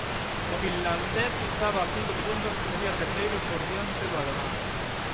O finlandés estaba a cinco segundos e sería terceiro por diante do alemán.